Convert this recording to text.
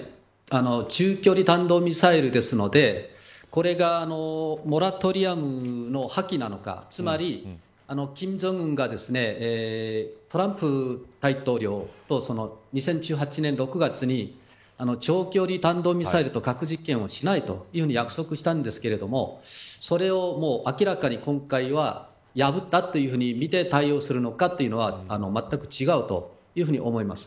一つは今回中距離弾道ミサイルですのでこれがモラトリアムの破棄なのかつまり、金正恩がトランプ大統領と２０１８年６月に長距離弾道ミサイルと核実験をしないというふうに約束したんですけれどもそれを明らかに今回は破ったというふうに見て対応するのかというのは全く違うというふうに思います。